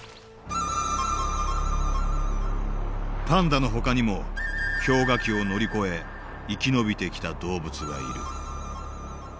パンダのほかにも氷河期を乗り越え生き延びてきた動物がいる。